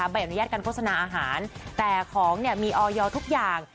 ใบอนุญาตการโฆษณาอาหารแต่ของเนี่ยมีออยทุกอย่าง